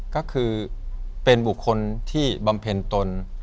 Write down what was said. ก็คือเป็นบุคคลที่บำเพ็ญตน